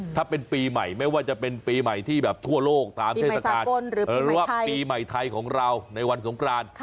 ถ้าเป็นปีใหม่ไม่ว่าจะเป็นปีใหม่ที่แบบทั่วโลกตามเทศกาลหรือว่าปีใหม่ไทยของเราในวันสงกราน